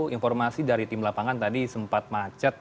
informasi dari tim lapangan tadi sempat macet